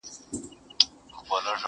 خریې ځانته وو تر تلو نیژدې کړی!!